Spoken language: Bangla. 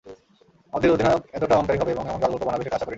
আমাদের অধিনায়ক এতটা অহংকারী হবে এবং এমন গালগল্প বানাবে, সেটা আশা করিনি।